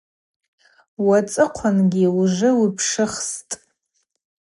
Уацӏыхъвангьи ужвы уипшыхстӏ.